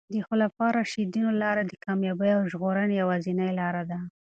د خلفای راشدینو لاره د کامیابۍ او ژغورنې یوازینۍ لاره ده.